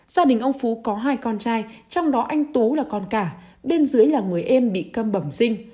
gia đình ông phú có hai con trai trong đó anh tú là con cả bên dưới là người em bị cầm bẩm sinh